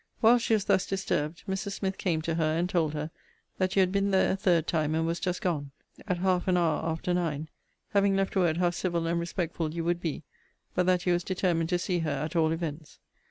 'While she was thus disturbed, Mrs. Smith came to her, and told her, that you had been there a third time, and was just gone, (at half an hour after nine,) having left word how civil and respectful you would be; but that you was determined to see her at all events.